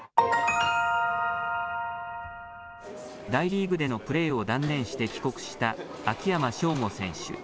大リーグでのプレーを断念して帰国した秋山翔吾選手。